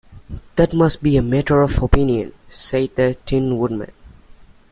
"That must be a matter of opinion," said the Tin Woodman.